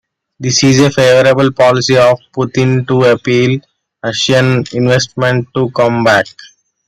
This is a favorable policy of Putin to appeal Russian investment to come back.